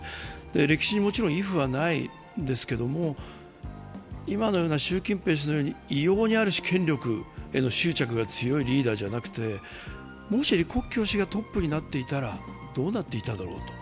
歴史にもちろんイフはないですけども今のような習近平氏のように異様にある種、権力への執着が強いリーダーじゃなくてもし李克強氏がトップになっていたらどうなっていただろう。